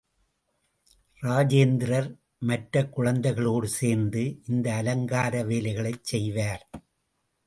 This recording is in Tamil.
ராஜேந்திரர் மற்றக் குழந்தைகளோடு சேர்ந்து இந்த அலங்கார வேலைகளைச் செய்வார்.